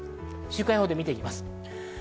週間予報で見ていきます。